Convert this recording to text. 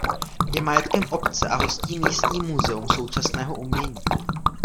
Je majetkem obce a hostí místní muzeum současného umění.